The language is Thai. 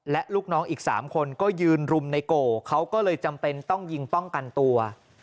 และลูกน้องอีก๓คนก็ยืนรุมในโกเขาก็เลยจำเป็นต้องยิงป้องกันตัว